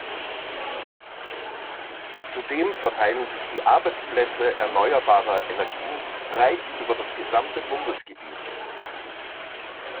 Zudem verteilen sich die Arbeitsplätze erneuerbarer Energien breit über das gesamte Bundesgebiet.